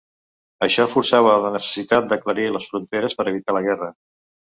Això forçava la necessitat d'aclarir les fronteres per evitar la guerra.